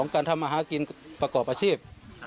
๒การทำอาฆินประกอบอาชีพ